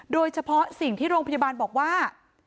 โดยเฉพาะสิ่งที่โรงพยาบาลบอกว่า